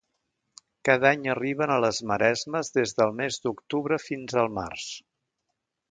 Cada any arriben a les maresmes des del mes d'octubre fins al març.